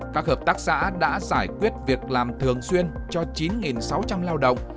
các hợp tác xã đã giải quyết việc làm thường xuyên cho chín sáu trăm linh lao động